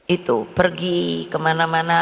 itu pergi kemana mana